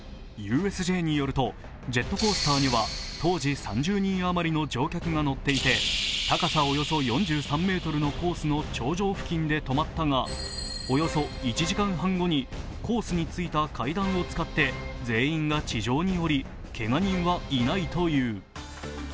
ＵＳＪによるとジェットコースターには当時３０人余りの乗客が乗っていて高さおよそ４３ｍのコースの頂上付近で止まったが、およそ１時間半後にコースについた階段を使って全員が地上に降りけが人はいないという。